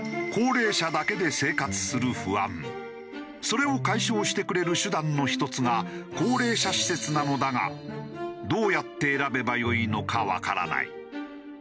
それを解消してくれる手段の一つが高齢者施設なのだがどうやって選べばよいのかわからない。